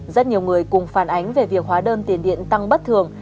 rất nhiều người cùng phản ánh về việc hóa đơn tiền điện tăng bất thường